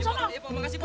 sampai nanti pak